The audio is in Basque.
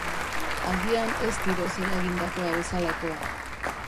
Agian ez tiroz eragindakoa bezalakoa.